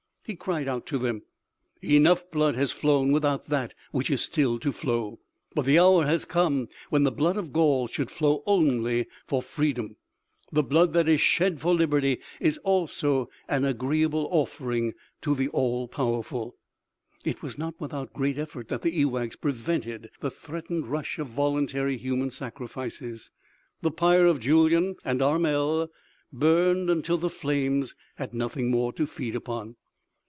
He cried out to them: "Enough blood has flown without that which is still to flow. But the hour has come when the blood of Gaul should flow only for freedom. The blood that is shed for liberty is also an agreeable offering to the All Powerful." It was not without great effort that the ewaghs prevented the threatened rush of voluntary human sacrifices. The pyre of Julyan and Armel burned until the flames had nothing more to feed upon.